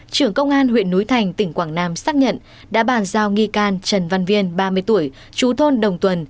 trưởng công an huyện núi thành tỉnh quảng nam xác nhận đã bàn giao nghi can trần văn viên ba mươi tuổi chú thôn đồng tuần